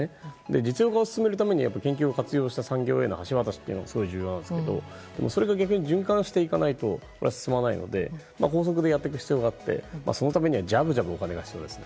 実用化を進めるためには研究を活用した産業への橋渡しがすごい重要なんですがそれが逆に循環していかないとそれは進まないので高速でやっていく必要があってそのためにはジャブジャブお金が必要ですね。